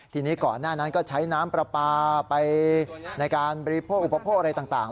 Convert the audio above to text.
ทีนี้ก่อนหน้านั้นก็ใช้น้ำปลาปลาไปในการบริโภคอุปโภคอะไรต่าง